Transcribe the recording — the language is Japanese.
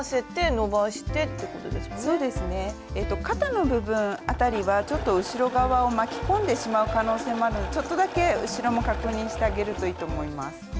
肩の部分あたりはちょっと後ろ側を巻き込んでしまう可能性もあるのでちょっとだけ後ろも確認してあげるといいと思います。